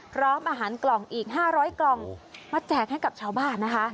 พร้อมอาหารกล่องอีก๕๐๐กล่องมาแจกให้กับชาวบ้านนะคะ